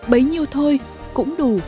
bấy nhiêu thôi cũng đủ